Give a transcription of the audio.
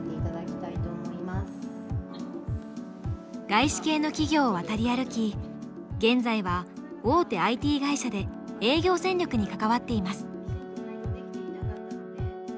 外資系の企業を渡り歩き現在は大手ＩＴ会社で営業戦略に関わっています。